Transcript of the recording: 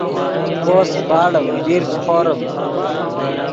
بوس باڑیم دیر چے خوریم